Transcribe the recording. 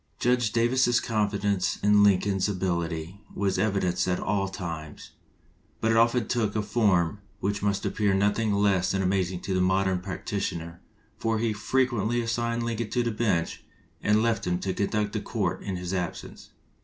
Judge Davis's confidence in Lincoln's ability was evidenced at all times, but it often took a form which must appear nothing less than amaz ing to the modern practitioner, for he frequently assigned Lincoln to the bench and left him to conduct the court in his absence.